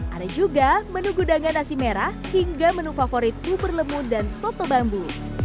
ada juga menu gudangan nasi merah hingga menu favorit bubur lemun dan soto bambu